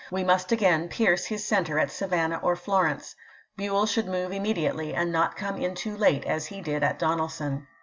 We must again pierce his center at Savannah it«ii'^ w.'ii. or Florence. Buell should move immediately, and Part iiV, not come in too late, as he did at Donelson."